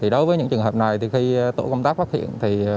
đối với những trường hợp này khi tổ công tác phát hiện